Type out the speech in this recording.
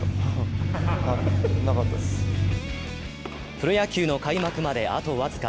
プロ野球の開幕まであと僅か。